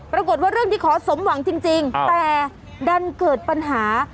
ปรากฏว่าเรื่องที่ขอสมหวังจริงแต่ดันเกิดปัญหา